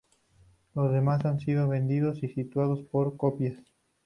Los demás han sido vendidos y sustituidos por copias.